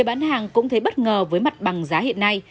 bán hàng cũng thấy bất ngờ với mặt bằng giá hiện nay